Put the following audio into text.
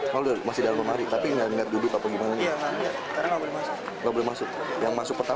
nah semua puas ya